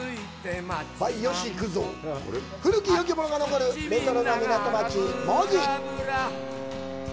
古きよきものが残るレトロな港町、門司。